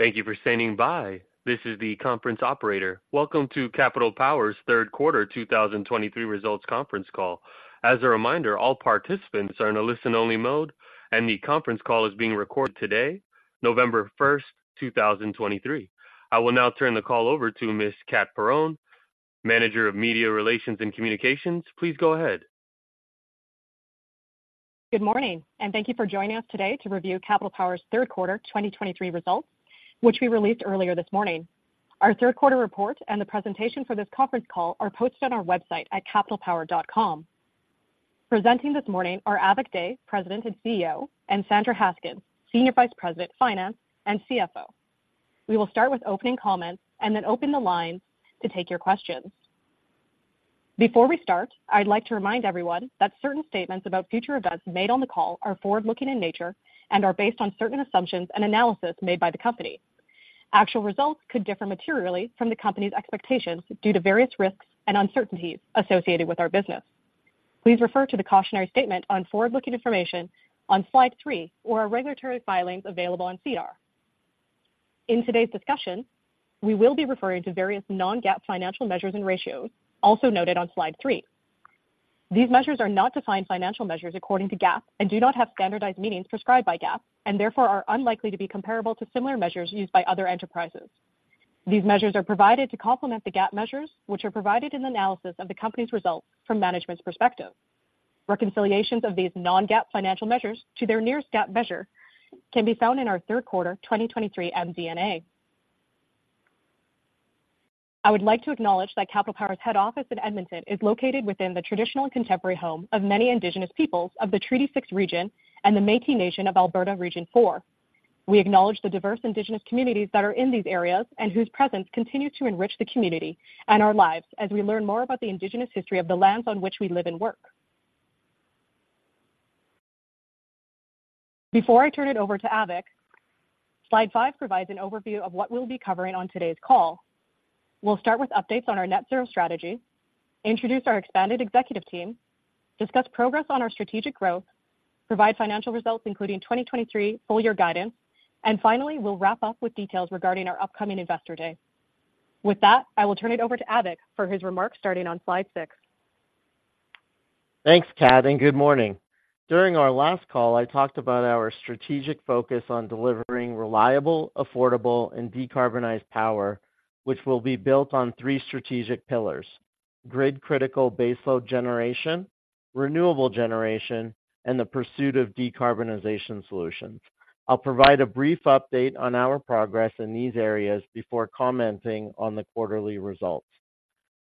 Thank you for standing by. This is the conference operator. Welcome to Capital Power's Third Quarter 2023 Results Conference Call. As a reminder, all participants are in a listen-only mode, and the conference call is being recorded today, November 1st, 2023. I will now turn the call over to Miss Kath Perron, Manager of Media Relations and Communications. Please go ahead. Good morning, and thank you for joining us today to review Capital Power's third quarter 2023 results, which we released earlier this morning. Our third quarter report and the presentation for this conference call are posted on our website at capitalpower.com. Presenting this morning are Avik Dey, President and CEO, and Sandra Haskins, Senior Vice President, Finance, and CFO. We will start with opening comments and then open the lines to take your questions. Before we start, I'd like to remind everyone that certain statements about future events made on the call are forward-looking in nature and are based on certain assumptions and analysis made by the company. Actual results could differ materially from the company's expectations due to various risks and uncertainties associated with our business. Please refer to the cautionary statement on forward-looking information on slide three or our regulatory filings available on SEDAR. In today's discussion, we will be referring to various non-GAAP financial measures and ratios, also noted on slide three. These measures are not defined financial measures according to GAAP and do not have standardized meanings prescribed by GAAP and therefore are unlikely to be comparable to similar measures used by other enterprises. These measures are provided to complement the GAAP measures, which are provided in the analysis of the company's results from management's perspective. Reconciliations of these non-GAAP financial measures to their nearest GAAP measure can be found in our third quarter 2023 MD&A. I would like to acknowledge that Capital Power's head office in Edmonton is located within the traditional and contemporary home of many Indigenous peoples of the Treaty 6 region and the Métis Nation of Alberta Region 4. We acknowledge the diverse Indigenous communities that are in these areas and whose presence continues to enrich the community and our lives as we learn more about the Indigenous history of the lands on which we live and work. Before I turn it over to Avik, slide five provides an overview of what we'll be covering on today's call. We'll start with updates on our net zero strategy, introduce our expanded executive team, discuss progress on our strategic growth, provide financial results, including 2023 full year guidance, and finally, we'll wrap up with details regarding our upcoming Investor Day. With that, I will turn it over to Avik for his remarks, starting on slide six. Thanks, Kath, and good morning. During our last call, I talked about our strategic focus on delivering reliable, affordable, and decarbonized power, which will be built on three strategic pillars: grid-critical baseload generation, renewable generation, and the pursuit of decarbonization solutions. I'll provide a brief update on our progress in these areas before commenting on the quarterly results.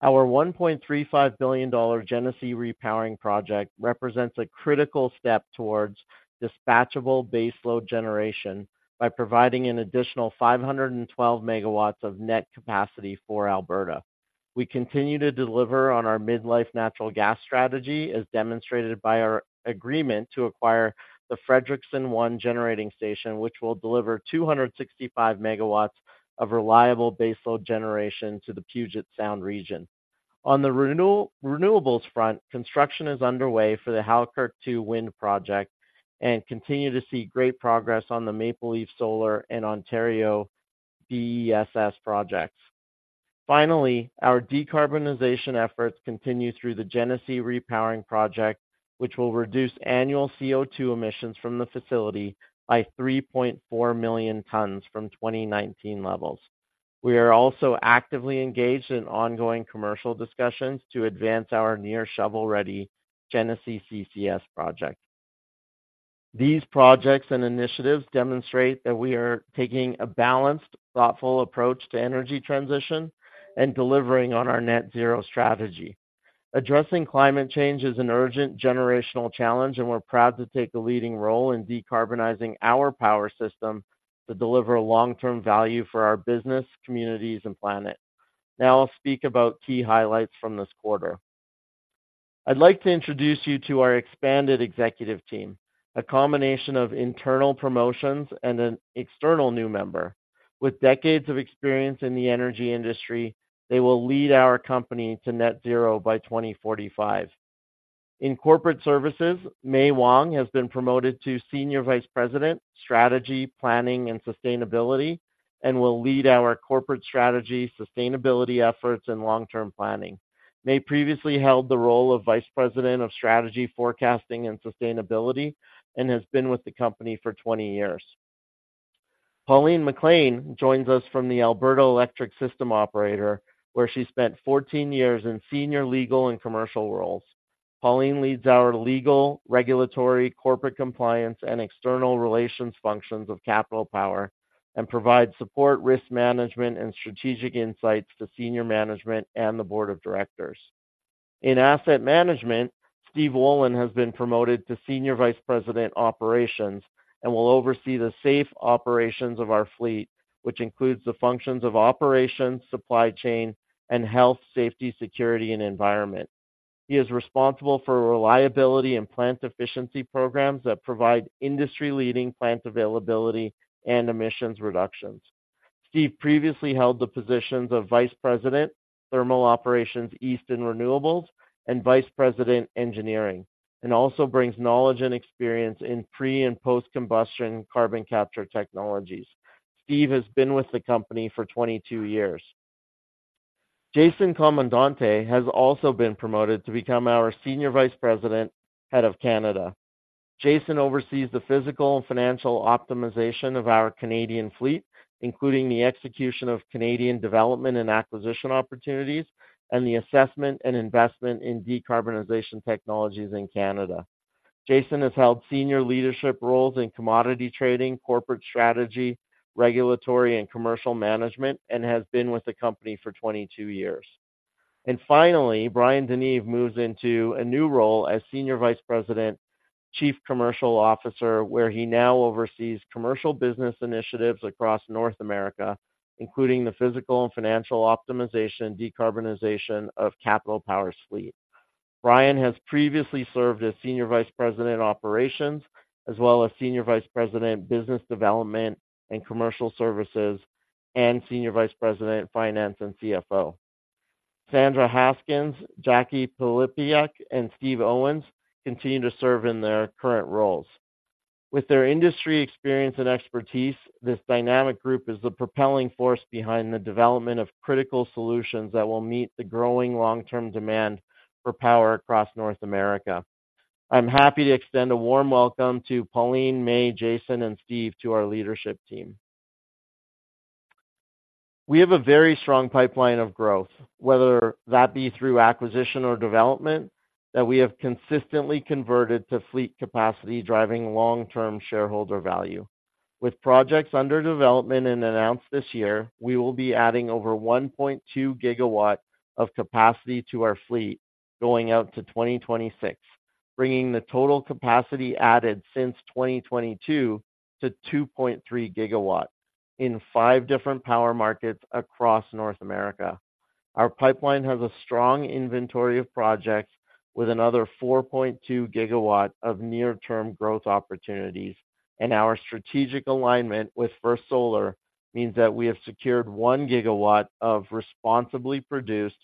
Our 1.35 billion dollar Genesee Repowering Project represents a critical step towards dispatchable baseload generation by providing an additional 512 MW of net capacity for Alberta. We continue to deliver on our mid-life natural gas strategy, as demonstrated by our agreement to acquire the Frederickson 1 Generating Station, which will deliver 265 MW of reliable baseload generation to the Puget Sound region. On the renewables front, construction is underway for the Halkirk 2 Wind Project and continue to see great progress on the Maple Leaf Solar and Ontario BESS projects. Finally, our decarbonization efforts continue through the Genesee Repowering Project, which will reduce annual CO2 emissions from the facility by 3.4 million tons from 2019 levels. We are also actively engaged in ongoing commercial discussions to advance our near-shovel-ready Genesee CCS project. These projects and initiatives demonstrate that we are taking a balanced, thoughtful approach to energy transition and delivering on our net zero strategy. Addressing climate change is an urgent generational challenge, and we're proud to take a leading role in decarbonizing our power system to deliver long-term value for our business, communities, and planet. Now I'll speak about key highlights from this quarter. I'd like to introduce you to our expanded executive team, a combination of internal promotions and an external new member. With decades of experience in the energy industry, they will lead our company to net zero by 2045. In corporate services, May Wong has been promoted to Senior Vice President, Strategy, Planning, and Sustainability, and will lead our corporate strategy, sustainability efforts, and long-term planning. May previously held the role of Vice President of Strategy, Forecasting, and Sustainability and has been with the company for 20 years. Pauline McLean joins us from the Alberta Electric System Operator, where she spent 14 years in senior, legal, and commercial roles. Pauline leads our legal, regulatory, corporate compliance, and external relations functions of Capital Power and provides support, risk management, and strategic insights to senior management and the board of directors. In Asset Management, Steve Wollin has been promoted to Senior Vice President, Operations, and will oversee the safe operations of our fleet, which includes the functions of operations, supply chain, and health, safety, security, and environment. He is responsible for reliability and plant efficiency programs that provide industry-leading plant availability and emissions reductions. Steve previously held the positions of Vice President, Thermal Operations, East, and Renewables, and Vice President, Engineering, and also brings knowledge and experience in pre- and post-combustion carbon capture technologies. Steve has been with the company for 22 years. Jason Comandante has also been promoted to become our Senior Vice President, Head of Canada. Jason oversees the physical and financial optimization of our Canadian fleet, including the execution of Canadian development and acquisition opportunities, and the assessment and investment in decarbonization technologies in Canada. Jason has held senior leadership roles in commodity trading, corporate strategy, regulatory and commercial management, and has been with the company for 22 years. Finally, Bryan DeNeve moves into a new role as Senior Vice President, Chief Commercial Officer, where he now oversees commercial business initiatives across North America, including the physical and financial optimization, decarbonization of Capital Power's fleet. Bryan has previously served as Senior Vice President, Operations, as well as Senior Vice President, Business Development and Commercial Services, and Senior Vice President, Finance and CFO. Sandra Haskins, Jacquie Pylypiuk, and Steve Owens continue to serve in their current roles. With their industry experience and expertise, this dynamic group is the propelling force behind the development of critical solutions that will meet the growing long-term demand for power across North America. I'm happy to extend a warm welcome to Pauline, May, Jason, and Steve to our leadership team. We have a very strong pipeline of growth, whether that be through acquisition or development, that we have consistently converted to fleet capacity, driving long-term shareholder value. With projects under development and announced this year, we will be adding over 1.2 gigawatt of capacity to our fleet going out to 2026, bringing the total capacity added since 2022 to 2.3 gigawatt in five different power markets across North America. Our pipeline has a strong inventory of projects with another 4.2 gigawatt of near-term growth opportunities, and our strategic alignment with First Solar means that we have secured 1 gigawatt of responsibly produced,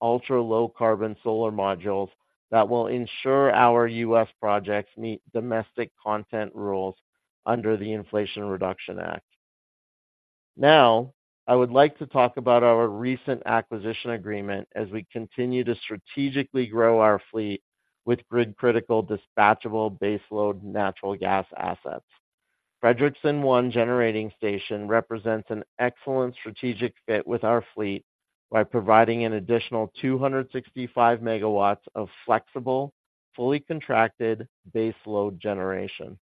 ultra-low carbon solar modules that will ensure our U.S. projects meet domestic content rules under the Inflation Reduction Act. Now, I would like to talk about our recent acquisition agreement as we continue to strategically grow our fleet with grid-critical, dispatchable, baseload natural gas assets. Frederickson 1 Generating Station represents an excellent strategic fit with our fleet by providing an additional 265 MW of flexible, fully contracted baseload generation.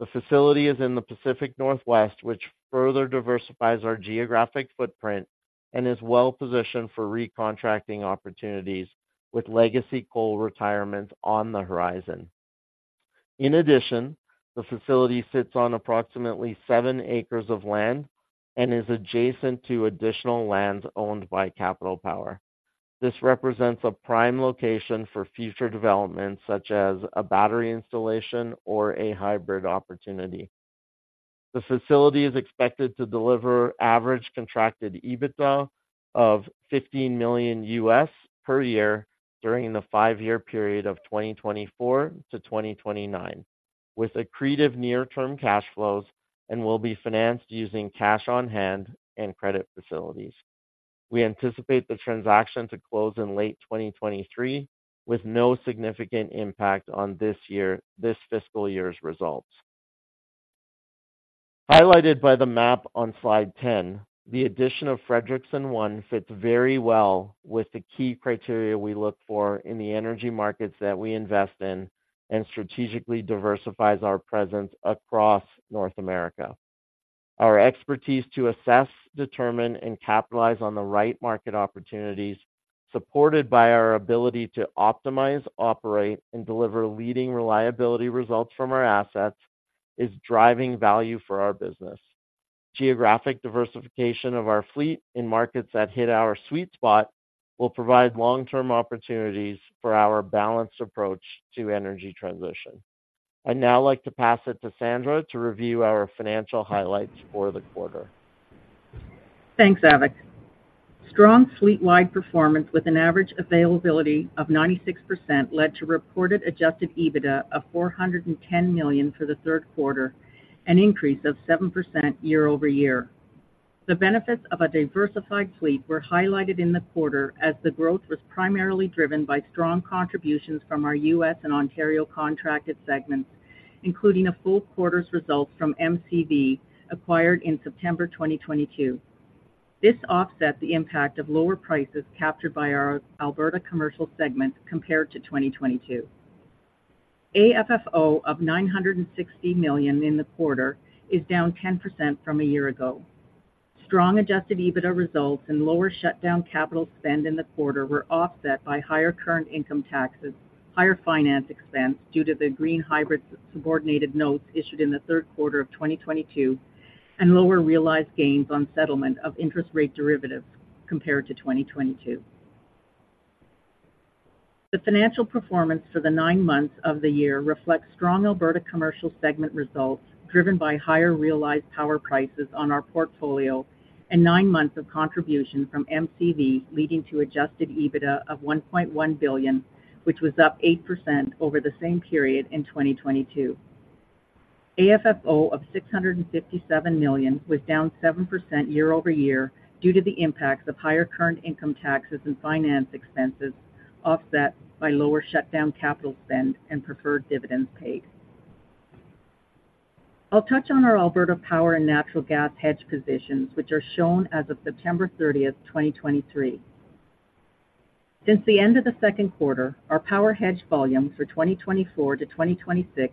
The facility is in the Pacific Northwest, which further diversifies our geographic footprint and is well-positioned for recontracting opportunities, with legacy coal retirement on the horizon. In addition, the facility sits on approximately seven acres of land and is adjacent to additional land owned by Capital Power. This represents a prime location for future development, such as a battery installation or a hybrid opportunity. The facility is expected to deliver average contracted EBITDA of $15 million per year during the five-year period of 2024 to 2029, with accretive near-term cash flows and will be financed using cash on hand and credit facilities. We anticipate the transaction to close in late 2023, with no significant impact on this year, this fiscal year's results. Highlighted by the map on slide 10, the addition of Frederickson 1 fits very well with the key criteria we look for in the energy markets that we invest in and strategically diversifies our presence across North America. Our expertise to assess, determine, and capitalize on the right market opportunities, supported by our ability to optimize, operate, and deliver leading reliability results from our assets, is driving value for our business. Geographic diversification of our fleet in markets that hit our sweet spot will provide long-term opportunities for our balanced approach to energy transition. I'd now like to pass it to Sandra to review our financial highlights for the quarter. Thanks, Avik. Strong fleet-wide performance with an average availability of 96% led to reported Adjusted EBITDA of 410 million for the third quarter, an increase of 7% year-over-year. The benefits of a diversified fleet were highlighted in the quarter as the growth was primarily driven by strong contributions from our U.S. and Ontario contracted segments, including a full quarter's results from MCV, acquired in September 2022. This offset the impact of lower prices captured by our Alberta commercial segment compared to 2022. AFFO of 960 million in the quarter is down 10% from a year ago. Strong Adjusted EBITDA results and lower shutdown capital spend in the quarter were offset by higher current income taxes, higher finance expense due to the green hybrid subordinated notes issued in the third quarter of 2022, and lower realized gains on settlement of interest rate derivatives compared to 2022. The financial performance for the nine months of the year reflects strong Alberta commercial segment results, driven by higher realized power prices on our portfolio and nine months of contribution from MCV, leading to Adjusted EBITDA of 1.1 billion, which was up 8% over the same period in 2022. AFFO of 657 million was down 7% year-over-year due to the impacts of higher current income taxes and finance expenses, offset by lower shutdown capital spend and preferred dividends paid. I'll touch on our Alberta power and natural gas hedge positions, which are shown as of September 30, 2023. Since the end of the second quarter, our power hedge volumes for 2024 to 2026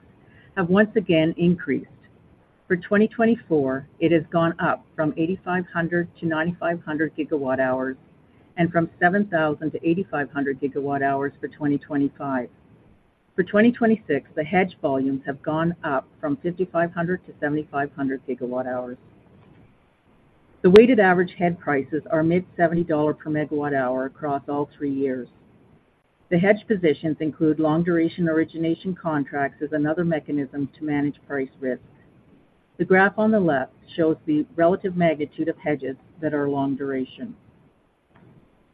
have once again increased. For 2024, it has gone up from 8,500 to 9,500 GWh and from 7,000 to 8,500 GWh for 2025. For 2026, the hedge volumes have gone up from 5,500 to 7,500 GWh. The weighted average hedge prices are mid-CAD 70 per MWh across all three years. The hedge positions include long-duration origination contracts as another mechanism to manage price risk. The graph on the left shows the relative magnitude of hedges that are long duration.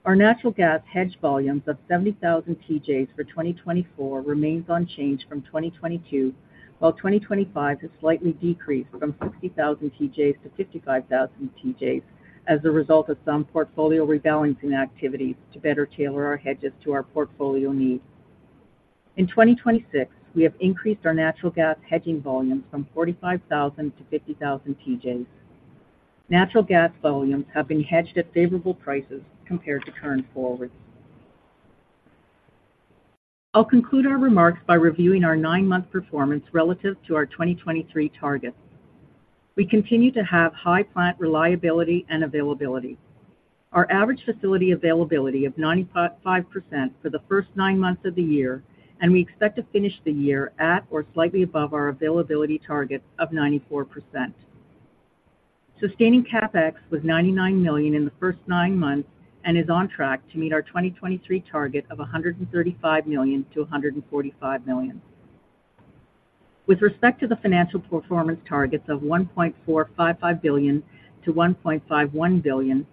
Our natural gas hedge volumes of 70,000 TJs for 2024 remains unchanged from 2022, while 2025 has slightly decreased from 60,000 TJs to 55,000 TJs as a result of some portfolio rebalancing activities to better tailor our hedges to our portfolio needs. In 2026, we have increased our natural gas hedging volumes from 45,000 to 50,000 TJs. Natural gas volumes have been hedged at favorable prices compared to current forward. I'll conclude our remarks by reviewing our nine-month performance relative to our 2023 targets. We continue to have high plant reliability and availability. Our average facility availability of 95% for the first nine months of the year, and we expect to finish the year at or slightly above our availability targets of 94%. Sustaining CapEx was 99 million in the first nine months and is on track to meet our 2023 target of 135 million-145 million. With respect to the financial performance targets of 1.455 billion-1.51 billion,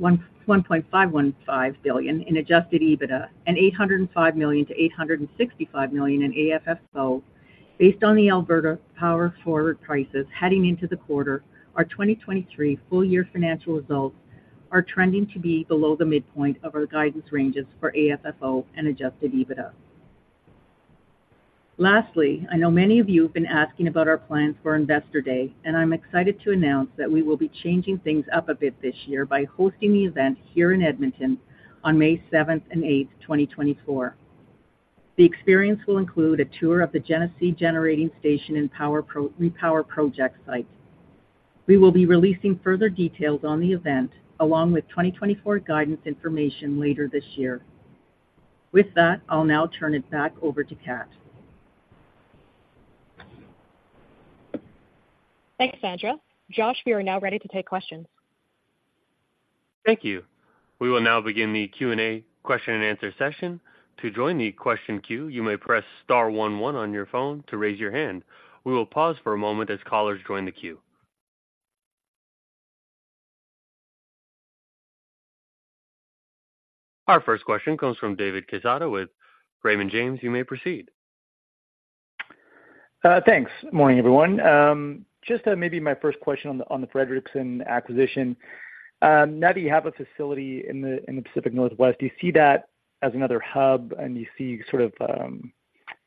1.515 billion in Adjusted EBITDA and 805 million-865 million in AFFO, based on the Alberta power forward prices heading into the quarter, our 2023 full-year financial results are trending to be below the midpoint of our guidance ranges for AFFO and Adjusted EBITDA. Lastly, I know many of you have been asking about our plans for Investor Day, and I'm excited to announce that we will be changing things up a bit this year by hosting the event here in Edmonton on May 7 and 8, 2024. The experience will include a tour of the Genesee Generating Station and Genesee Repowering Project site. We will be releasing further details on the event, along with 2024 guidance information later this year. With that, I'll now turn it back over to Kath. Thanks, Sandra. Josh, we are now ready to take questions. Thank you. We will now begin the Q&A, question and answer session. To join the question queue, you may press star one one on your phone to raise your hand. We will pause for a moment as callers join the queue. Our first question comes from David Quezada with Raymond James. You may proceed. Thanks. Morning, everyone. Just, maybe my first question on the Frederickson acquisition. Now that you have a facility in the Pacific Northwest, do you see that as another hub, and you see sort of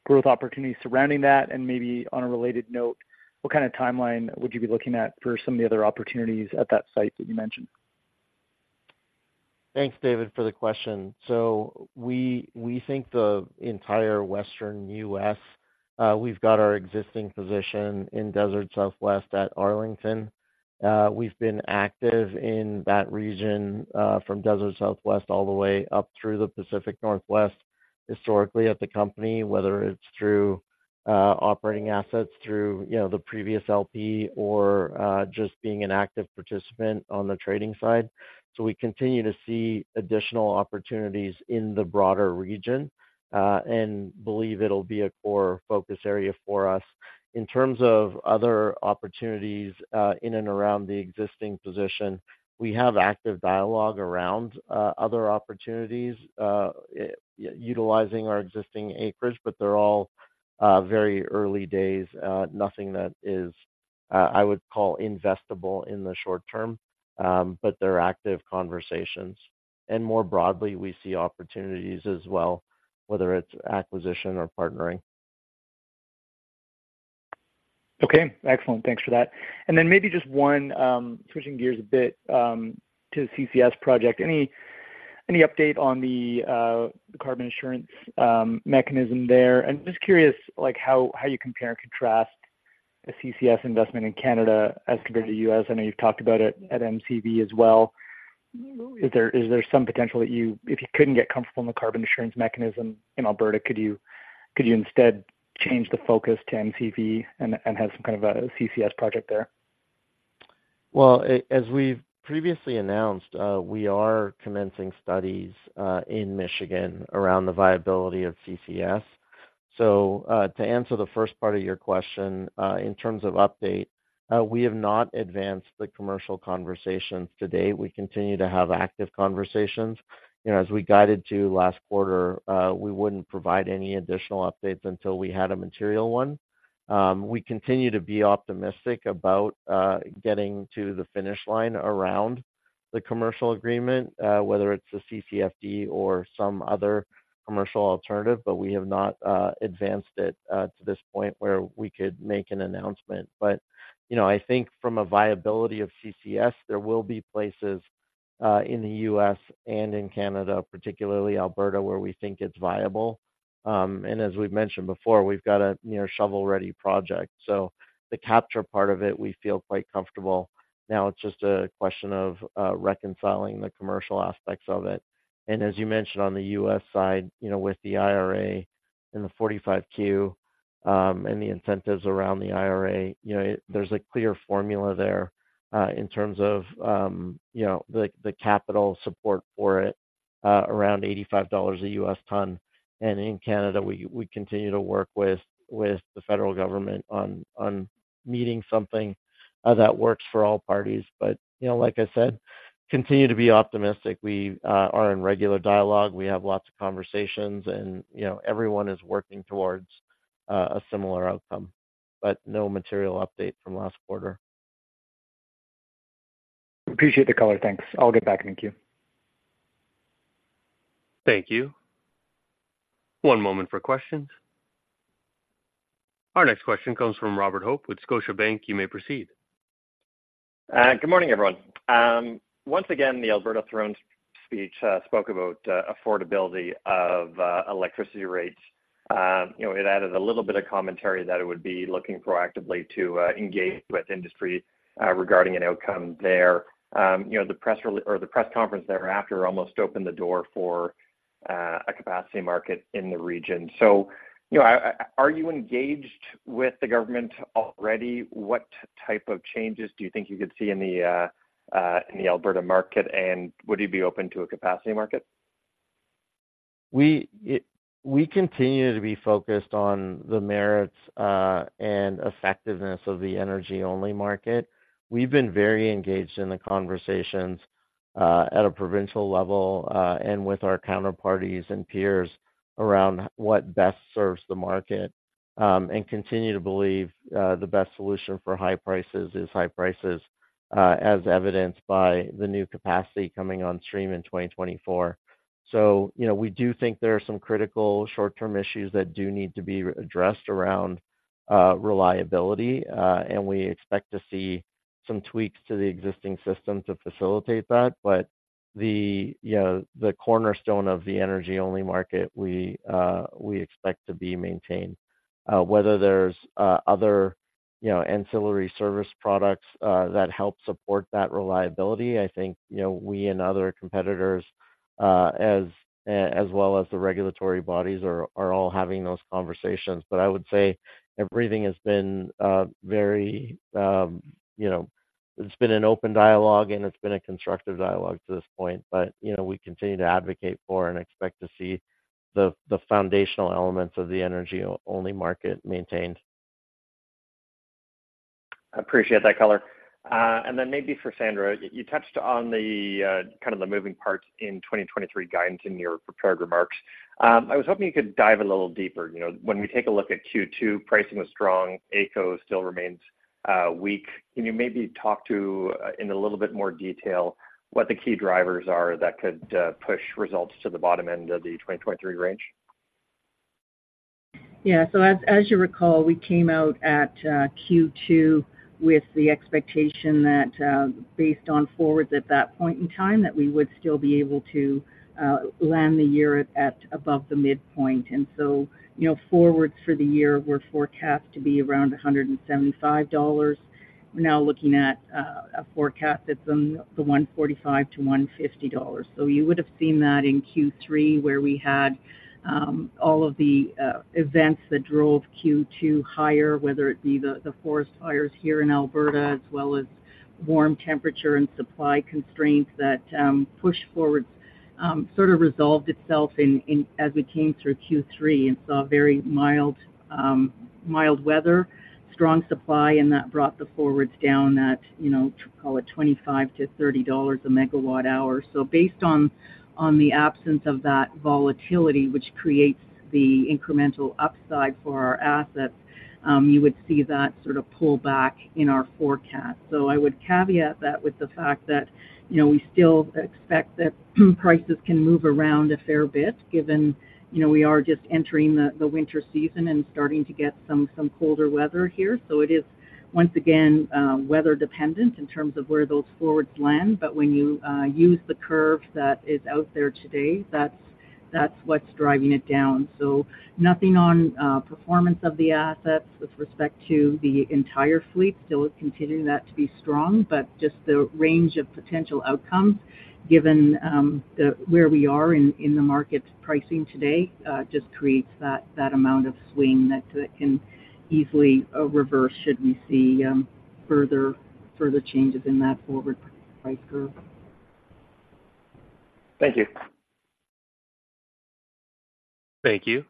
growth opportunities surrounding that? Maybe on a related note, what kind of timeline would you be looking at for some of the other opportunities at that site that you mentioned? Thanks, David, for the question. So we think the entire Western U.S. We've got our existing position in Desert Southwest at Arlington. We've been active in that region, from Desert Southwest all the way up through the Pacific Northwest, historically at the company, whether it's through operating assets, through, you know, the previous LP or just being an active participant on the trading side. So we continue to see additional opportunities in the broader region, and believe it'll be a core focus area for us. In terms of other opportunities, in and around the existing position, we have active dialogue around other opportunities utilizing our existing acreage, but they're all very early days, nothing that is I would call investable in the short term. But there are active conversations, and more broadly, we see opportunities as well, whether it's acquisition or partnering. Okay, excellent. Thanks for that. And then maybe just one, switching gears a bit, to the CCS project. Any update on the carbon insurance mechanism there? And just curious, like, how you compare and contrast a CCS investment in Canada as compared to U.S. I know you've talked about it at MCV as well. Is there some potential that you-- if you couldn't get comfortable in the carbon insurance mechanism in Alberta, could you instead change the focus to MCV and have some kind of a CCS project there?... Well, as we've previously announced, we are commencing studies in Michigan around the viability of CCS. So, to answer the first part of your question, in terms of update, we have not advanced the commercial conversations to date. We continue to have active conversations. You know, as we guided to last quarter, we wouldn't provide any additional updates until we had a material one. We continue to be optimistic about getting to the finish line around the commercial agreement, whether it's a CCFD or some other commercial alternative, but we have not advanced it to this point where we could make an announcement. But, you know, I think from a viability of CCS, there will be places in the U.S. and in Canada, particularly Alberta, where we think it's viable. And as we've mentioned before, we've got a near shovel-ready project. So the capture part of it, we feel quite comfortable. Now, it's just a question of reconciling the commercial aspects of it. And as you mentioned on the U.S. side, you know, with the IRA and the 45Q, and the incentives around the IRA, you know, there's a clear formula there, in terms of, you know, the, the capital support for it, around $85 a U.S. ton. And in Canada, we continue to work with the federal government on meeting something that works for all parties. But, you know, like I said, continue to be optimistic. We are in regular dialogue. We have lots of conversations, and, you know, everyone is working towards a similar outcome, but no material update from last quarter. Appreciate the color. Thanks. I'll get back in the queue. Thank you. One moment for questions. Our next question comes from Robert Hope with Scotiabank. You may proceed. Good morning, everyone. Once again, the Alberta Throne Speech spoke about affordability of electricity rates. You know, it added a little bit of commentary that it would be looking proactively to engage with industry regarding an outcome there. You know, the press re-- or the press conference thereafter almost opened the door for a capacity market in the region. So, you know, are you engaged with the government already? What type of changes do you think you could see in the Alberta market, and would you be open to a capacity market? We continue to be focused on the merits and effectiveness of the energy-only market. We've been very engaged in the conversations at a provincial level and with our counterparties and peers around what best serves the market, and continue to believe the best solution for high prices is high prices, as evidenced by the new capacity coming on stream in 2024. So, you know, we do think there are some critical short-term issues that do need to be addressed around reliability, and we expect to see some tweaks to the existing system to facilitate that. But, you know, the cornerstone of the energy-only market, we expect to be maintained. Whether there's other, you know, ancillary service products that help support that reliability, I think, you know, we and other competitors as well as the regulatory bodies are all having those conversations. But I would say everything has been very, you know, it's been an open dialogue, and it's been a constructive dialogue to this point. But, you know, we continue to advocate for and expect to see the foundational elements of the energy only market maintained. I appreciate that color. And then maybe for Sandra, you touched on the kind of the moving parts in 2023 guidance in your prepared remarks. I was hoping you could dive a little deeper. You know, when we take a look at Q2, pricing was strong, AECO still remains weak. Can you maybe talk to, in a little bit more detail, what the key drivers are that could push results to the bottom end of the 2023 range? Yeah. So as you recall, we came out at Q2 with the expectation that, based on forwards at that point in time, that we would still be able to land the year at above the midpoint. And so, you know, forwards for the year were forecast to be around 175 dollars. We're now looking at a forecast that's on the 145-150 dollars. So you would have seen that in Q3, where we had all of the events that drove Q2 higher, whether it be the forest fires here in Alberta, as well as warm temperature and supply constraints that pushed forward, sort of resolved itself in, in, as we came through Q3 and saw very mild, mild weather, strong supply, and that brought the forwards down at, you know, call it 25-30 dollars/MWh. So based on, on the absence of that volatility, which creates the incremental upside for our assets, you would see that sort of pull back in our forecast. So I would caveat that with the fact that, you know, we still expect that prices can move around a fair bit, given, you know, we are just entering the winter season and starting to get some colder weather here. So it is, once again, weather dependent in terms of where those forwards land, but when you use the curve that is out there today, that's what's driving it down. So nothing on performance of the assets with respect to the entire fleet. Still continue that to be strong, but just the range of potential outcomes, given where we are in the market's pricing today, just creates that amount of swing that can easily reverse should we see further changes in that forward price curve.... Thank you. Thank you.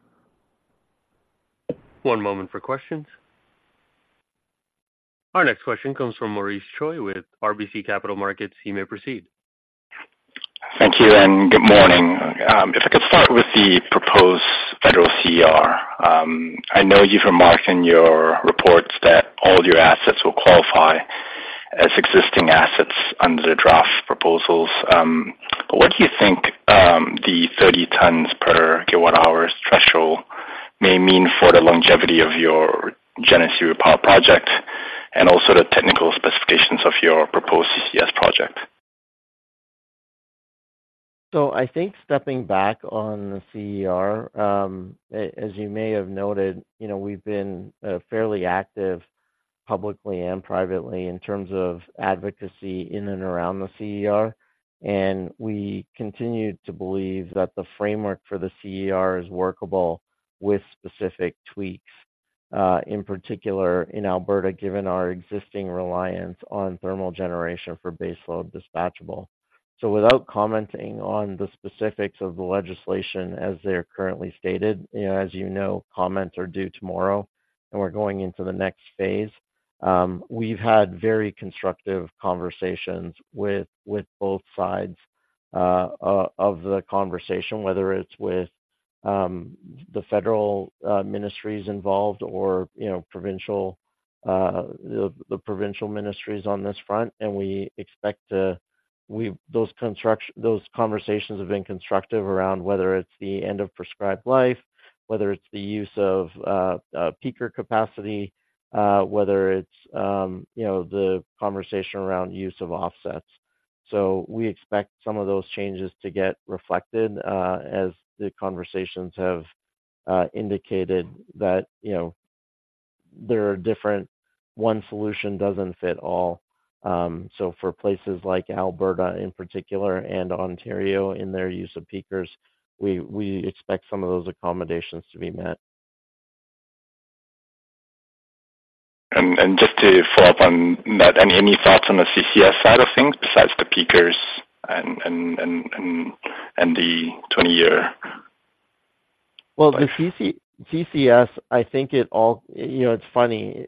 One moment for questions. Our next question comes from Maurice Choy with RBC Capital Markets. You may proceed. Thank you, and good morning. If I could start with the proposed federal CER. I know you've remarked in your reports that all your assets will qualify as existing assets under the draft proposals. What do you think the 30 tons per kilowatt hour threshold may mean for the longevity of your Genesee project, and also the technical specifications of your proposed CCS project? So I think stepping back on the CER, as you may have noted, you know, we've been fairly active, publicly and privately, in terms of advocacy in and around the CER. And we continue to believe that the framework for the CER is workable with specific tweaks, in particular, in Alberta, given our existing reliance on thermal generation for baseload dispatchable. So without commenting on the specifics of the legislation as they're currently stated, you know, as you know, comments are due tomorrow, and we're going into the next phase. We've had very constructive conversations with both sides of the conversation, whether it's with the federal ministries involved or, you know, provincial ministries on this front. And we expect to ... Those conversations have been constructive around whether it's the end of prescribed life, whether it's the use of peaker capacity, whether it's you know, the conversation around use of offsets. So we expect some of those changes to get reflected, as the conversations have indicated that, you know, there are different... One solution doesn't fit all. So for places like Alberta, in particular, and Ontario in their use of peakers, we, we expect some of those accommodations to be met. And just to follow up on that, any thoughts on the CCS side of things besides the peakers and the 20-year? Well, the CCS, I think it all... You know, it's funny.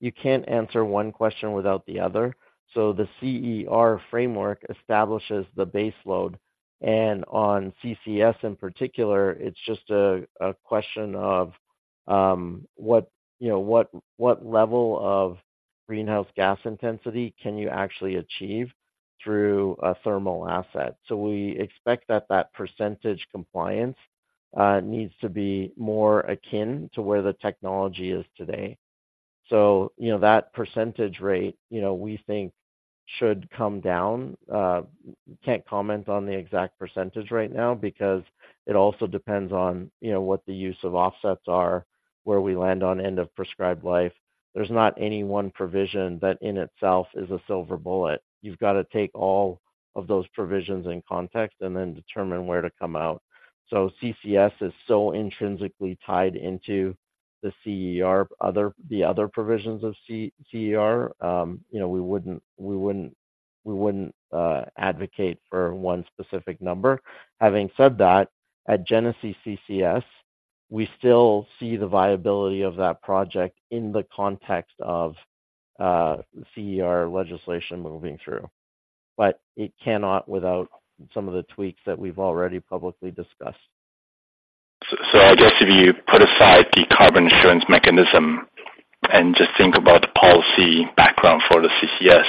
You can't answer one question without the other. So the CER framework establishes the baseload, and on CCS, in particular, it's just a question of what level of greenhouse gas intensity can you actually achieve through a thermal asset? So we expect that percentage compliance needs to be more akin to where the technology is today. So, you know, that percentage rate, you know, we think should come down. Can't comment on the exact percentage right now because it also depends on what the use of offsets are, where we land on end of prescribed life. There's not any one provision that in itself is a silver bullet. You've got to take all of those provisions in context and then determine where to come out. So CCS is so intrinsically tied into the CER, the other provisions of CER. You know, we wouldn't advocate for one specific number. Having said that, at Genesee CCS, we still see the viability of that project in the context of CER legislation moving through, but it cannot without some of the tweaks that we've already publicly discussed. So I guess if you put aside the carbon insurance mechanism and just think about the policy background for the CCS,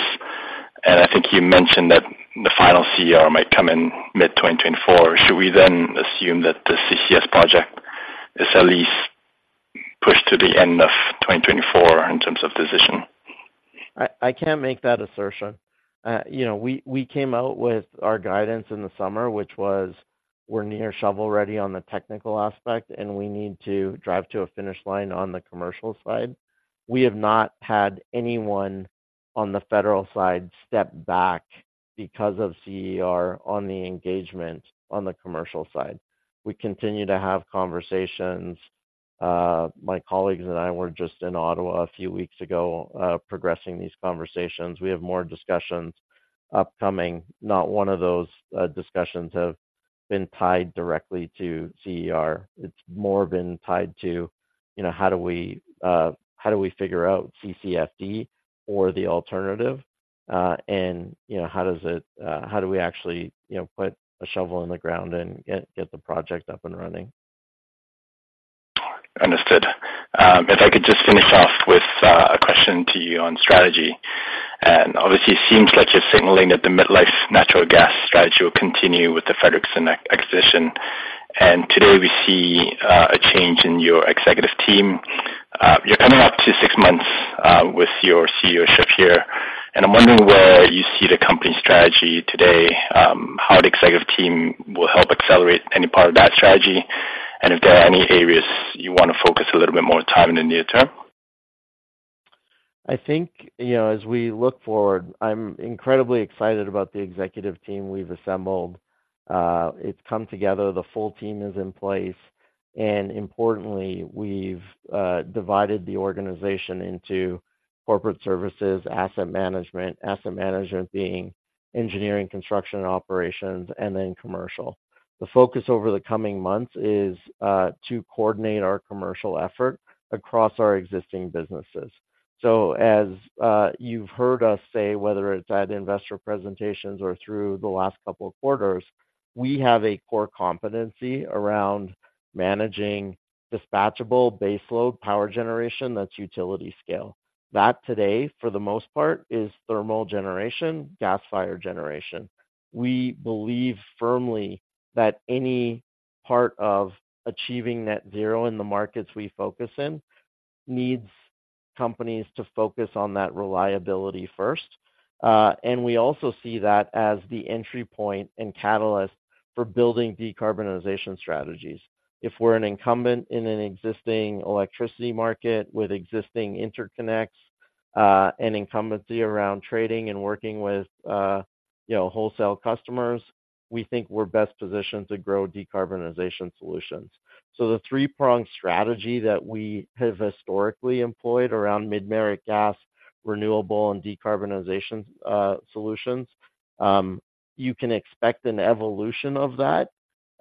and I think you mentioned that the final CER might come in mid-2024, should we then assume that the CCS project is at least pushed to the end of 2024 in terms of decision? I can't make that assertion. You know, we came out with our guidance in the summer, which was, we're near shovel-ready on the technical aspect, and we need to drive to a finish line on the commercial side. We have not had anyone on the federal side step back because of CER on the engagement on the commercial side. We continue to have conversations. My colleagues and I were just in Ottawa a few weeks ago, progressing these conversations. We have more discussions upcoming. Not one of those discussions have been tied directly to CER. It's more been tied to, you know, how do we figure out CCFD or the alternative? And, you know, how does it, how do we actually, you know, put a shovel in the ground and get the project up and running? Understood. If I could just finish off with a question to you on strategy. And obviously, it seems like you're signaling that the midlife natural gas strategy will continue with the Frederickson acquisition, and today we see a change in your executive team. You're coming up to six months with your CEOship here, and I'm wondering where you see the company's strategy today, how the executive team will help accelerate any part of that strategy, and if there are any areas you want to focus a little bit more time in the near term. I think, you know, as we look forward, I'm incredibly excited about the executive team we've assembled. It's come together, the full team is in place, and importantly, we've divided the organization into corporate services, asset management. Asset management being engineering, construction, and operations, and then commercial. The focus over the coming months is to coordinate our commercial effort across our existing businesses. So as you've heard us say, whether it's at investor presentations or through the last couple of quarters, we have a core competency around managing dispatchable baseload power generation, that's utility scale. That today, for the most part, is thermal generation, gas fire generation. We believe firmly that any part of achieving net zero in the markets we focus in, needs companies to focus on that reliability first. And we also see that as the entry point and catalyst for building decarbonization strategies. If we're an incumbent in an existing electricity market with existing interconnects, and incumbency around trading and working with, you know, wholesale customers, we think we're best positioned to grow decarbonization solutions. So the three-pronged strategy that we have historically employed around mid-merit gas, renewable, and decarbonization solutions, you can expect an evolution of that,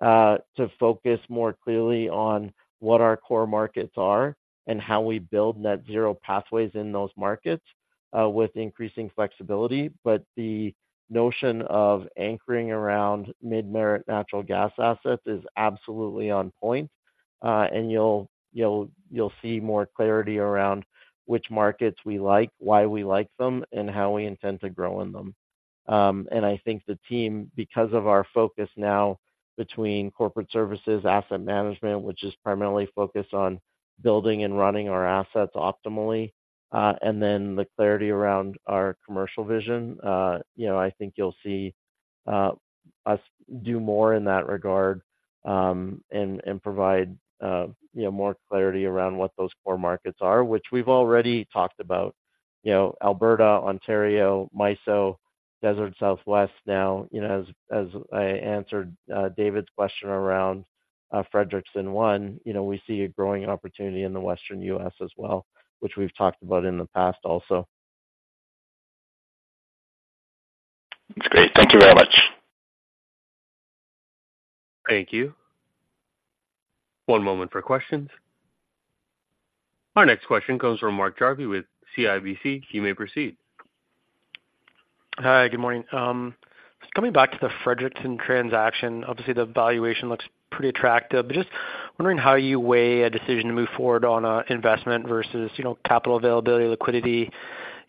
to focus more clearly on what our core markets are and how we build net zero pathways in those markets, with increasing flexibility. But the notion of anchoring around mid-merit natural gas assets is absolutely on point. And you'll see more clarity around which markets we like, why we like them, and how we intend to grow in them. I think the team, because of our focus now between corporate services, asset management, which is primarily focused on building and running our assets optimally, and then the clarity around our commercial vision, you know, I think you'll see us do more in that regard, and provide, you know, more clarity around what those core markets are, which we've already talked about. You know, Alberta, Ontario, MISO, Desert Southwest. Now, you know, as I answered David's question around Frederickson 1, you know, we see a growing opportunity in the Western U.S. as well, which we've talked about in the past also. That's great. Thank you very much. Thank you. One moment for questions. Our next question comes from Mark Jarvi with CIBC. You may proceed. Hi, good morning. Just coming back to the Frederickson transaction, obviously, the valuation looks pretty attractive. Just wondering how you weigh a decision to move forward on a investment versus, you know, capital availability, liquidity,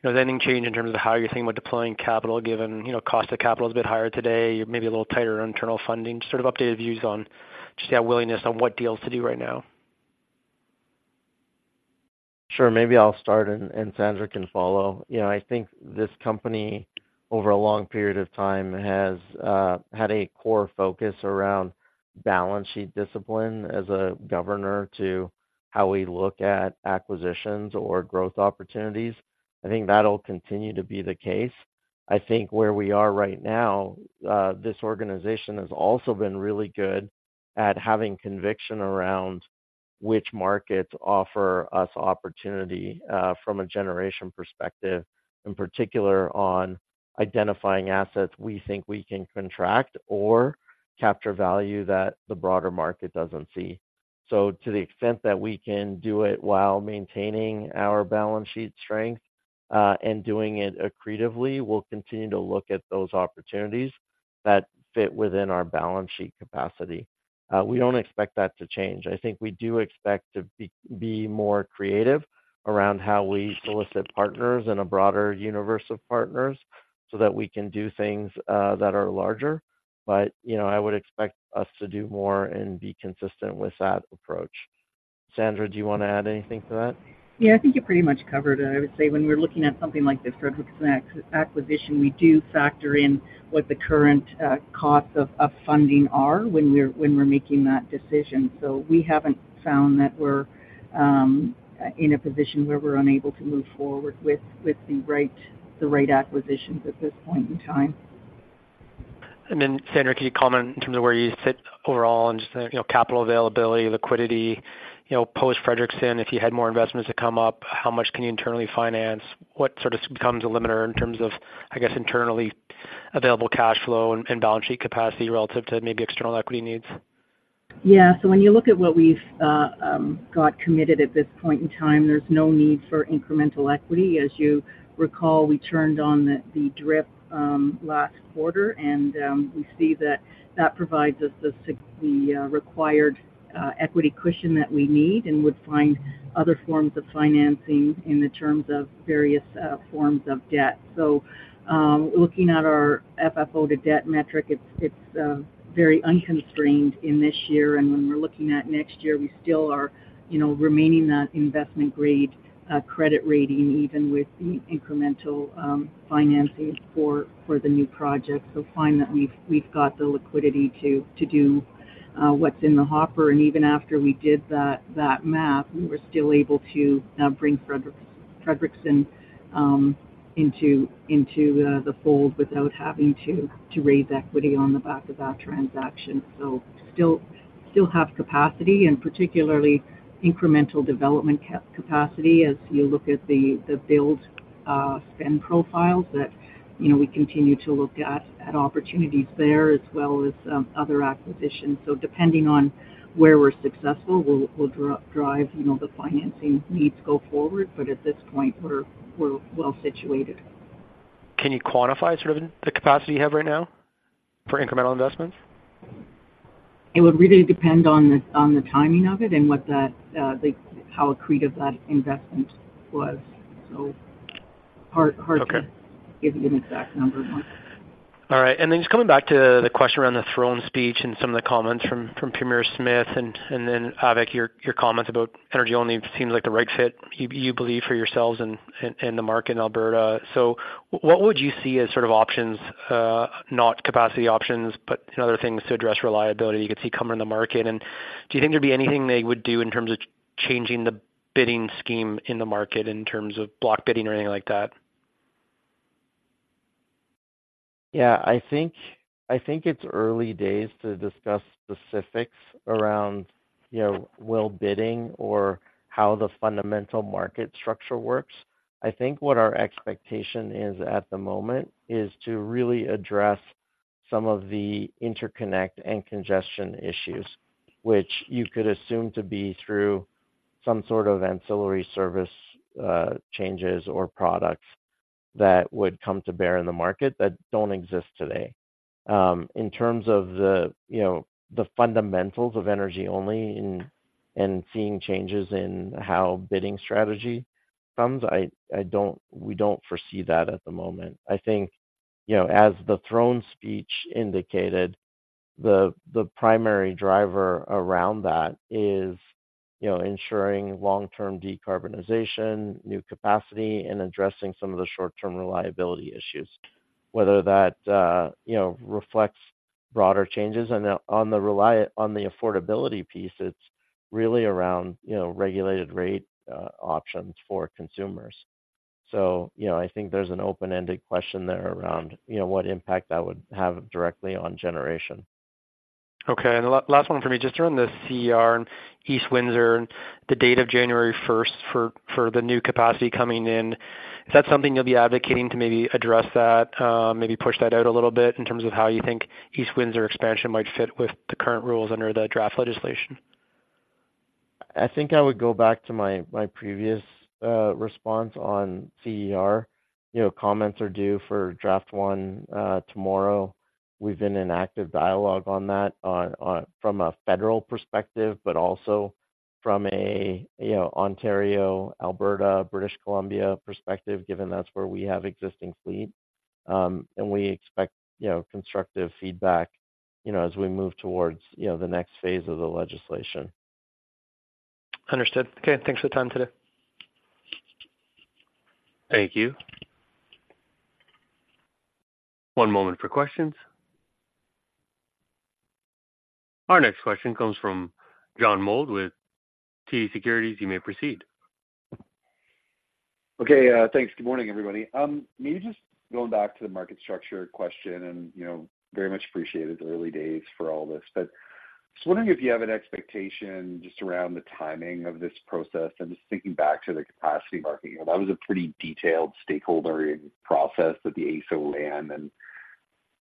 you know, then change in terms of how you're thinking about deploying capital, given, you know, cost of capital is a bit higher today, maybe a little tighter on internal funding. Just sort of updated views on just that willingness on what deals to do right now? Sure. Maybe I'll start and Sandra can follow. You know, I think this company, over a long period of time, has had a core focus around balance sheet discipline as a governor to how we look at acquisitions or growth opportunities. I think that'll continue to be the case. I think where we are right now, this organization has also been really good at having conviction around which markets offer us opportunity, from a generation perspective, in particular, on identifying assets we think we can contract or capture value that the broader market doesn't see. So to the extent that we can do it while maintaining our balance sheet strength, and doing it accretively, we'll continue to look at those opportunities that fit within our balance sheet capacity. We don't expect that to change. I think we do expect to be more creative around how we solicit partners and a broader universe of partners, so that we can do things that are larger. But, you know, I would expect us to do more and be consistent with that approach. Sandra, do you want to add anything to that? Yeah, I think you pretty much covered it. I would say when we're looking at something like this Frederickson acquisition, we do factor in what the current costs of funding are when we're making that decision. So we haven't found that we're in a position where we're unable to move forward with the right acquisitions at this point in time. Then, Sandra, can you comment in terms of where you sit overall on just, you know, capital availability, liquidity? You know, post Frederickson, if you had more investments to come up, how much can you internally finance? What sort of becomes a limiter in terms of, I guess, internally available cash flow and balance sheet capacity relative to maybe external equity needs? Yeah. So when you look at what we've got committed at this point in time, there's no need for incremental equity. As you recall, we turned on the DRIP last quarter, and we see that that provides us the required equity cushion that we need and would find other forms of financing in the terms of various forms of debt. So, looking at our FFO to debt metric, it's very unconstrained in this year. And when we're looking at next year, we still are, you know, remaining that investment-grade credit rating, even with the incremental financing for the new projects. So finally, we've got the liquidity to do what's in the hopper, and even after we did that math, we were still able to bring Frederickson into the fold without having to raise equity on the back of that transaction. So still have capacity and particularly incremental development capacity as you look at the build spend profiles that, you know, we continue to look at opportunities there as well as other acquisitions. So depending on where we're successful, we'll drive, you know, the financing needs go forward, but at this point, we're well situated. Can you quantify sort of the capacity you have right now for incremental investments? It would really depend on the, on the timing of it and what that, the, how accretive that investment was. So hard- Okay. -to give you an exact number. All right. And then just coming back to the question around the Throne Speech and some of the comments from Premier Smith, and then, Avik, your comments about energy-only seems like the right fit, you believe, for yourselves and the market in Alberta. So what would you see as sort of options, not capacity options, but other things to address reliability you could see coming in the market? And do you think there'd be anything they would do in terms of changing the bidding scheme in the market in terms of block bidding or anything like that? Yeah, I think it's early days to discuss specifics around, you know, well bidding or how the fundamental market structure works. I think what our expectation is at the moment is to really address some of the interconnect and congestion issues, which you could assume to be through some sort of ancillary service, changes or products that would come to bear in the market that don't exist today. In terms of the, you know, the fundamentals of energy only and, and seeing changes in how bidding strategy comes, we don't foresee that at the moment. I think, you know, as the Throne Speech indicated, the primary driver around that is, you know, ensuring long-term decarbonization, new capacity, and addressing some of the short-term reliability issues. Whether that, you know, reflects broader changes. On the affordability piece, it's really around, you know, regulated rate options for consumers. So, you know, I think there's an open-ended question there around, you know, what impact that would have directly on generation. Okay, and the last one for me, just around the CER and East Windsor and the date of January first for the new capacity coming in, is that something you'll be advocating to maybe address that, maybe push that out a little bit in terms of how you think East Windsor expansion might fit with the current rules under the draft legislation? I think I would go back to my previous response on CER. You know, comments are due for draft one tomorrow. We've been in active dialogue on that, on, from a federal perspective, but also from a, you know, Ontario, Alberta, British Columbia perspective, given that's where we have existing fleet. And we expect, you know, constructive feedback, you know, as we move towards, you know, the next phase of the legislation. Understood. Okay, thanks for the time today. Thank you. One moment for questions. Our next question comes from John Mould with TD Securities. You may proceed. Okay, thanks. Good morning, everybody. Maybe just going back to the market structure question, and, you know, very much appreciated the early days for all this, but just wondering if you have an expectation just around the timing of this process and just thinking back to the capacity market, that was a pretty detailed stakeholder process that the AESO ran. And,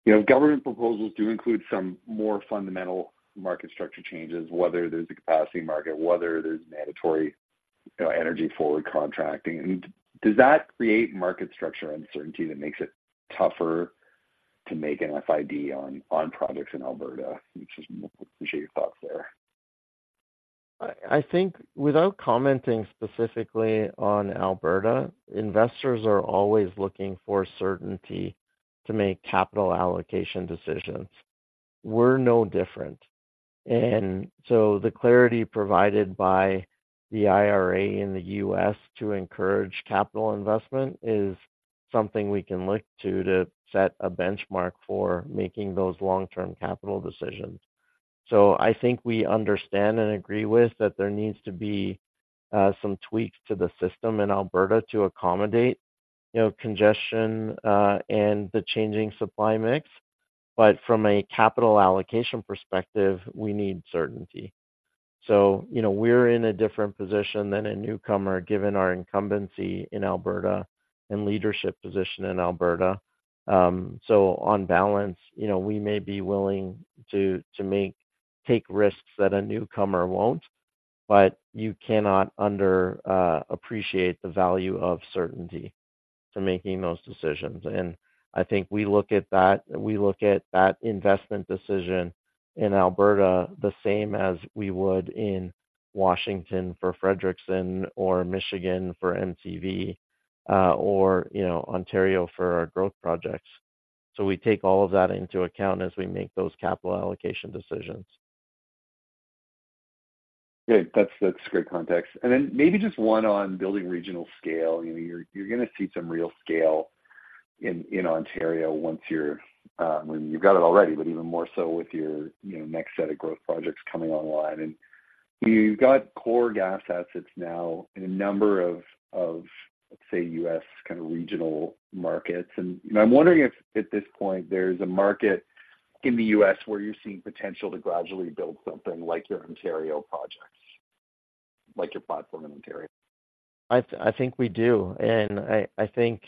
you know, government proposals do include some more fundamental market structure changes, whether there's a capacity market, whether there's mandatory energy forward contracting. And does that create market structure uncertainty that makes it tougher to make an FID on projects in Alberta? Just appreciate your thoughts there. I think without commenting specifically on Alberta, investors are always looking for certainty to make capital allocation decisions. We're no different. And so the clarity provided by the IRA in the U.S. to encourage capital investment is something we can look to, to set a benchmark for making those long-term capital decisions. So I think we understand and agree with that there needs to be some tweaks to the system in Alberta to accommodate, you know, congestion and the changing supply mix. But from a capital allocation perspective, we need certainty. So, you know, we're in a different position than a newcomer, given our incumbency in Alberta and leadership position in Alberta. So on balance, you know, we may be willing to take risks that a newcomer won't, but you cannot underappreciate the value of certainty to making those decisions. I think we look at that investment decision in Alberta the same as we would in Washington for Frederickson or Michigan for MCV, or, you know, Ontario for our growth projects. So we take all of that into account as we make those capital allocation decisions. Great. That's, that's great context. And then maybe just one on building regional scale. You know, you're, you're gonna see some real scale in Ontario, once you're, when you've got it already, but even more so with your, you know, next set of growth projects coming online. And you've got core gas assets now in a number of, let's say, U.S. kind of regional markets. And I'm wondering if at this point there's a market in the U.S. where you're seeing potential to gradually build something like your Ontario projects, like your platform in Ontario? I think we do. I think,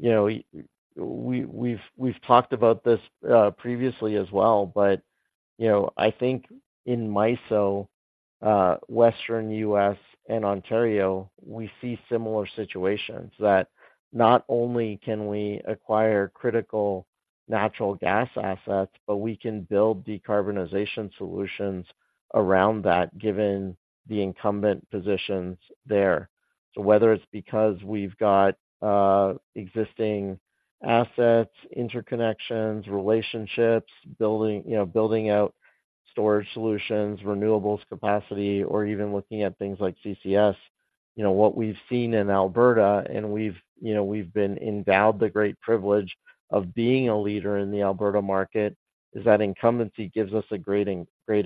you know, we've talked about this previously as well. But, you know, I think in MISO, Western U.S. and Ontario, we see similar situations that not only can we acquire critical natural gas assets, but we can build decarbonization solutions around that, given the incumbent positions there. So whether it's because we've got existing assets, interconnections, relationships, building, you know, building out storage solutions, renewables capacity, or even looking at things like CCS. You know, what we've seen in Alberta, and you know, we've been endowed the great privilege of being a leader in the Alberta market, is that incumbency gives us a great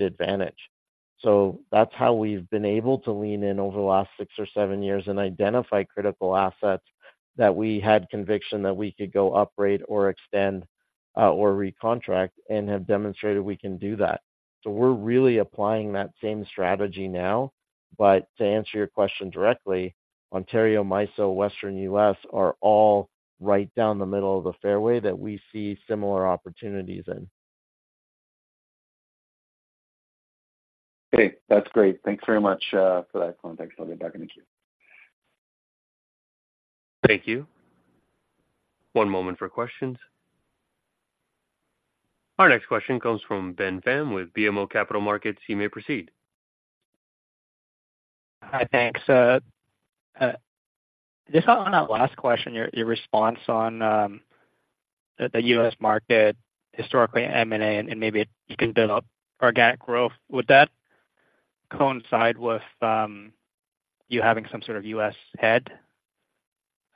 advantage. So that's how we've been able to lean in over the last six or seven years and identify critical assets that we had conviction that we could go upgrade or extend, or recontract, and have demonstrated we can do that. So we're really applying that same strategy now. But to answer your question directly, Ontario, MISO, Western U.S. are all right down the middle of the fairway that we see similar opportunities in. Okay, that's great. Thanks very much for that context. I'll get back in the queue. Thank you. One moment for questions. Our next question comes from Ben Pham with BMO Capital Markets. You may proceed. Hi, thanks. Just on that last question, your response on the U.S. market, historically, M&A, and maybe you can build up organic growth. Would that coincide with you having some sort of U.S. head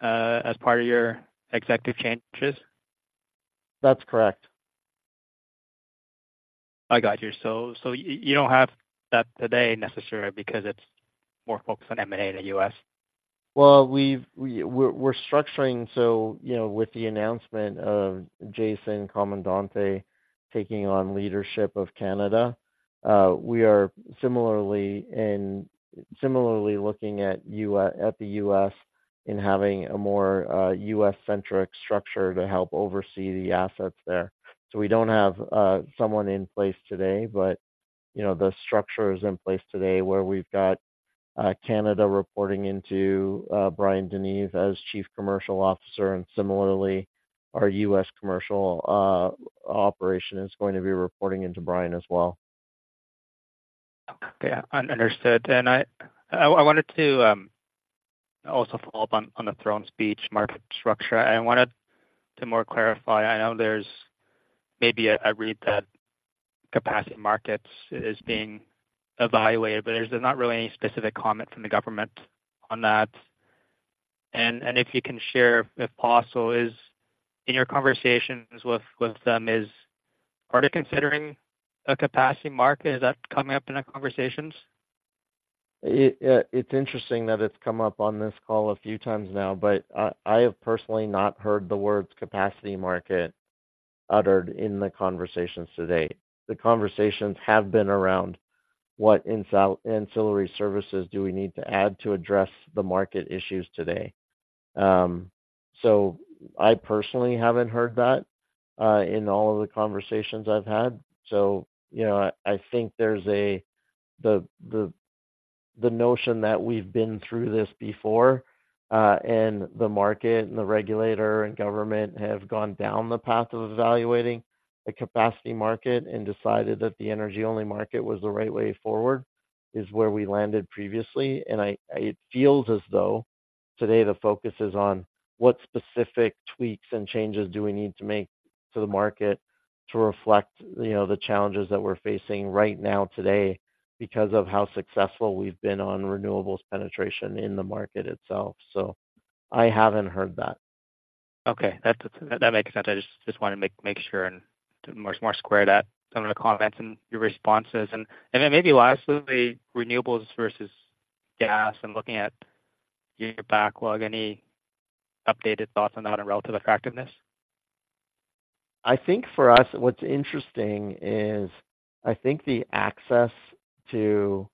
as part of your executive changes? That's correct. I got you. So, you don't have that today, necessarily, because it's more focused on M&A in the U.S.? Well, we're structuring, so, you know, with the announcement of Jason Comandante taking on leadership of Canada, we are similarly looking at the U.S. in having a more US-centric structure to help oversee the assets there. So we don't have someone in place today, but, you know, the structure is in place today, where we've got Canada reporting into Bryan DeNeve as Chief Commercial Officer, and similarly, our U.S. commercial operation is going to be reporting into Bryan as well. Okay, understood. And I wanted to also follow up on the Throne Speech market structure. I wanted to more clarify. I know there's maybe a read that capacity markets is being evaluated, but there's not really any specific comment from the government on that. And if you can share, if possible, in your conversations with them, is... Are they considering a capacity market? Is that coming up in the conversations? It's interesting that it's come up on this call a few times now, but I have personally not heard the words capacity market uttered in the conversations to date. The conversations have been around what ancillary services do we need to add to address the market issues today? So I personally haven't heard that in all of the conversations I've had. So, you know, I think there's the notion that we've been through this before, and the market, and the regulator and government have gone down the path of evaluating the capacity market and decided that the energy-only market was the right way forward, is where we landed previously. It feels as though today the focus is on what specific tweaks and changes do we need to make to the market to reflect, you know, the challenges that we're facing right now today, because of how successful we've been on renewables penetration in the market itself. So I haven't heard that. Okay, that makes sense. I just wanted to make sure and more square that some of the comments and your responses. And then maybe lastly, renewables versus gas and looking at your backlog, any updated thoughts on that and relative attractiveness? I think for us, what's interesting is, I think the access to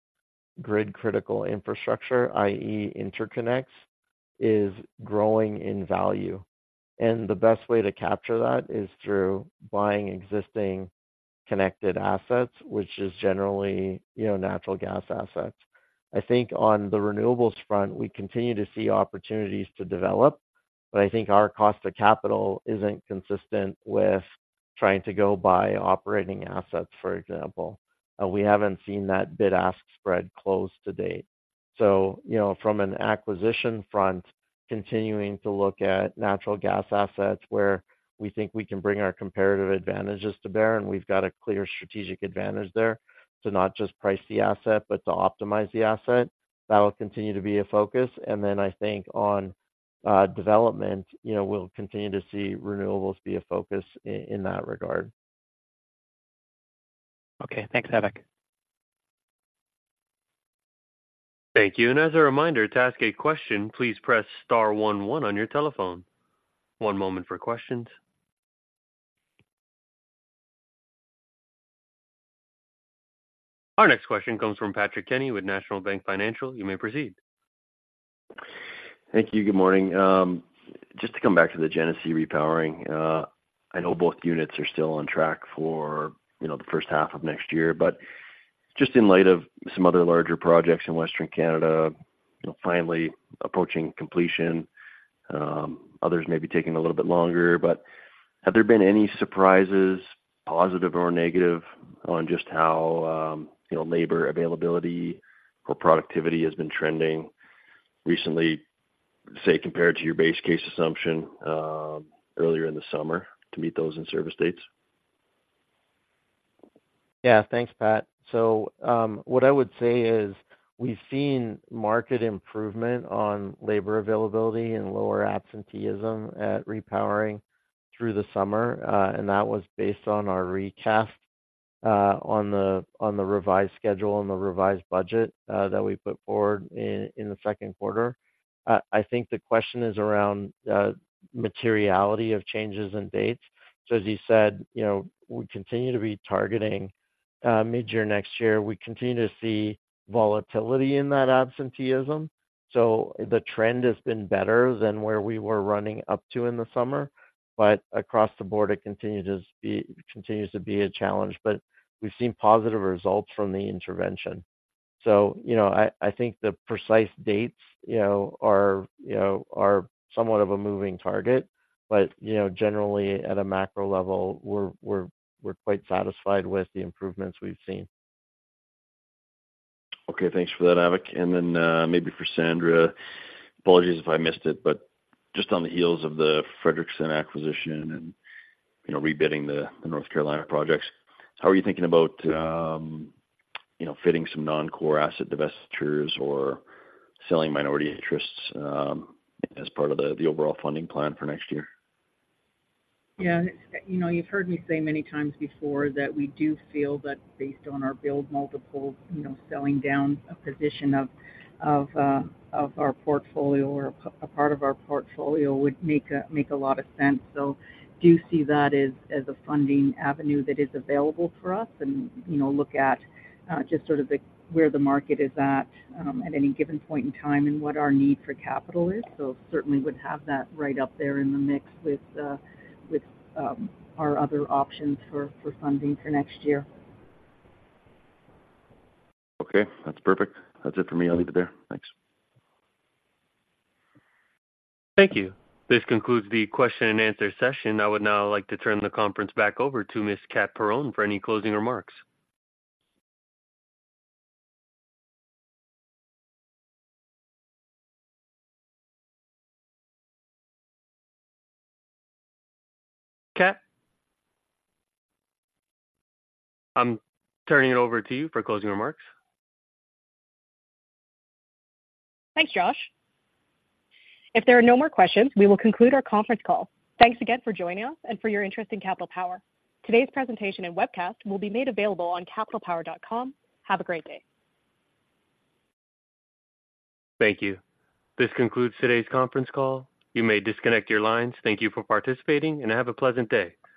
grid-critical infrastructure, i.e., interconnects, is growing in value, and the best way to capture that is through buying existing connected assets, which is generally, you know, natural gas assets. I think on the renewables front, we continue to see opportunities to develop, but I think our cost of capital isn't consistent with trying to go buy operating assets, for example. We haven't seen that bid-ask spread close to date. So, you know, from an acquisition front, continuing to look at natural gas assets where we think we can bring our comparative advantages to bear, and we've got a clear strategic advantage there, to not just price the asset, but to optimize the asset. That will continue to be a focus. Then I think on development, you know, we'll continue to see renewables be a focus in that regard. Okay. Thanks, Avik. Thank you. And as a reminder, to ask a question, please press star one on your telephone. One moment for questions. Our next question comes from Patrick Kenny with National Bank Financial. You may proceed. Thank you. Good morning. Just to come back to the Genesee Repowering, I know both units are still on track for, you know, the first half of next year, but just in light of some other larger projects in Western Canada, finally approaching completion, others may be taking a little bit longer, but have there been any surprises, positive or negative, on just how, you know, labor availability or productivity has been trending recently, say, compared to your base case assumption, earlier in the summer to meet those in-service dates? Yeah. Thanks, Pat. So, what I would say is we've seen market improvement on labor availability and lower absenteeism at Repowering through the summer, and that was based on our recast, on the, on the revised schedule and the revised budget, that we put forward in the second quarter. I think the question is around materiality of changes in dates. So as you said, you know, we continue to be targeting mid-year next year. We continue to see volatility in that absenteeism. So the trend has been better than where we were running up to in the summer, but across the board, it continues to be, continues to be a challenge. But we've seen positive results from the intervention. So, you know, I think the precise dates, you know, are, you know, are somewhat of a moving target, but, you know, generally at a macro level, we're quite satisfied with the improvements we've seen. Okay, thanks for that, Avik. And then, maybe for Sandra, apologies if I missed it, but just on the heels of the Frederickson acquisition and, you know, rebidding the North Carolina projects, how are you thinking about, you know, fitting some non-core asset divestitures or selling minority interests, as part of the, the overall funding plan for next year? Yeah, you know, you've heard me say many times before that we do feel that based on our build multiple, you know, selling down a position of, of our portfolio or a part of our portfolio would make a lot of sense. So do see that as a funding avenue that is available for us and, you know, look at just sort of where the market is at at any given point in time and what our need for capital is. So certainly would have that right up there in the mix with our other options for funding for next year. Okay, that's perfect. That's it for me. I'll leave it there. Thanks. Thank you. This concludes the question and answer session. I would now like to turn the conference back over to Ms. Kath Perron for any closing remarks. Kath? I'm turning it over to you for closing remarks. Thanks, Josh. If there are no more questions, we will conclude our conference call. Thanks again for joining us and for your interest in Capital Power. Today's presentation and webcast will be made available on capitalpower.com. Have a great day. Thank you. This concludes today's conference call. You may disconnect your lines. Thank you for participating, and have a pleasant day.